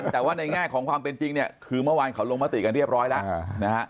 แต่ว่าในง่ายของความเป็นจริงคือเมื่อวานเขาลงมาติกันเรียบร้อยนะฮะ